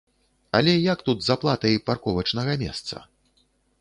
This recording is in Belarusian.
Але як тут з аплатай парковачнага месца?